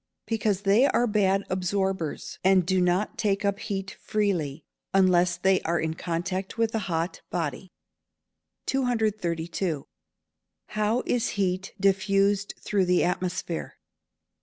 _ Because they are bad absorbers, and do not take up heat freely, unless they are in contact with a hot body. 232. _How is heat diffused through the atmosphere?